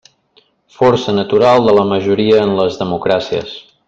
Força natural de la majoria en les democràcies.